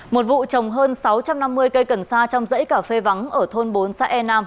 một vụ trồng hơn sáu trăm năm mươi cây cần sa trong dãy cà phê vắng ở thôn bốn xã e năm